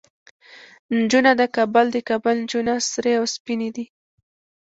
نجونه د کابل، د کابل نجونه سرې او سپينې دي